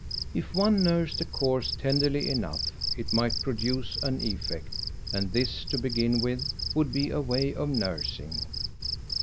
If one nursed a cause tenderly enough it might produce an effect; and this, to begin with, would be a way of nursing.